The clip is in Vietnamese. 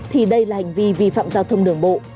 thì đây là hành vi vi phạm giao thông đường bộ